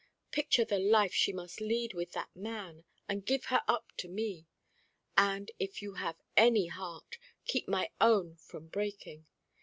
Picture the life she must lead with that man, and give her up to me. And, if you have any heart, keep my own from breaking.